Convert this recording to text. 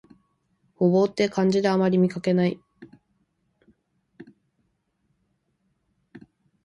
牛蒡って漢字であまり見かけない